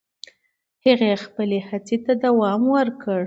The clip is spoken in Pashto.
هغې خپل هڅې ته دوام ورکړ.